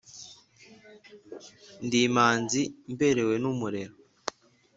Ndi imanzi mberewe n'umurera